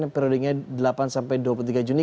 periodenya delapan sampai dua puluh tiga juni